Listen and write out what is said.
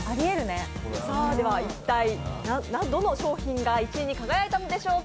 一体どの商品が１位に輝いたのでしょうか？